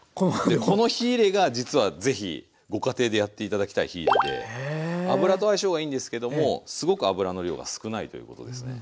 この火入れが実は是非ご家庭でやって頂きたい火入れで油と相性がいいんですけどもすごく油の量が少ないということですね。